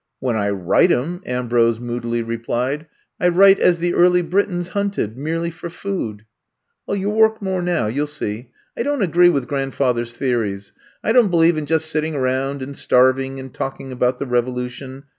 When I write 'em," Ambrose moodily replied. I write as the early Britons hunted — ^merely for food. '' You '11 work more now, you 11 see. I don't agree with grandfather's theories. I don't believe in just sitting around and starving and talking about the revolution.